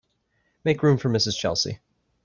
Make room for Mrs. Chelsea.